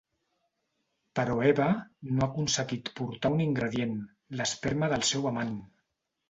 Però Eva no ha aconseguit portar un ingredient: l'esperma del seu amant.